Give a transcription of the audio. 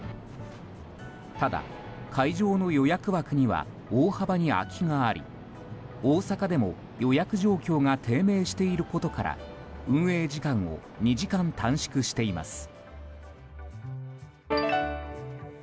ただ、会場の予約枠には大幅に空きがあり大阪でも予約状況が低迷していることから運営時間を２時間短縮しています。